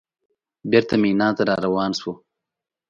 بېرته مینا ته راروان شوو.